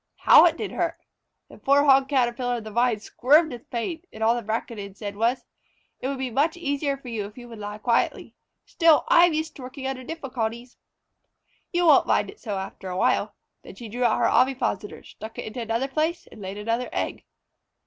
How it did hurt! The poor Hog Caterpillar of the Vine squirmed with pain, and all the Braconid said was: "It would be much easier for me if you would lie quietly. Still, I am used to working under difficulties.... You won't mind it so after a while." Then she drew out her ovipositor, stuck it into another place, and laid another egg.